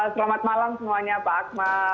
selamat malam semuanya pak akmal